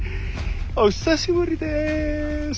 お久しぶりです。